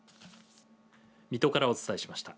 水戸からお伝えしました。